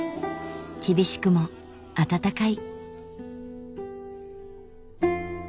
厳しくも温かい。